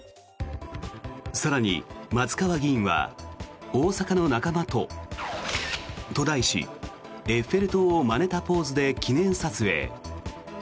更に、松川議員は「大阪の仲間と」と題しエッフェル塔をまねたポーズで記念撮影。